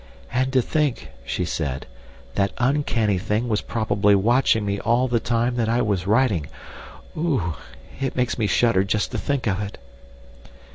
"And to think," she said, "that uncanny thing was probably watching me all the time that I was writing—oo! It makes me shudder just to think of it."